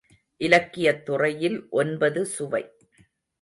இலக்கியத் துறையில் ஒன்பது சுவை.